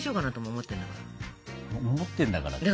思ってるんだからって。